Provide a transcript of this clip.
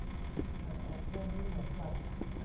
อ่านออกแค่นี้เหมือนกัน